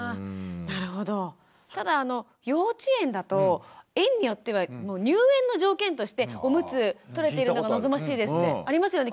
ただ幼稚園だと園によっては入園の条件としてオムツとれてるのが望ましいですってありますよね